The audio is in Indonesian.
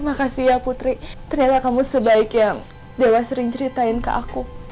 makasih ya putri ternyata kamu sebaik yang dewa sering ceritain ke aku